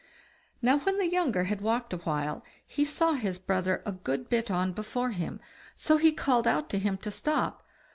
Now, when the younger had walked a while, he saw his brother a good bit on before him, so he called out to him to stop.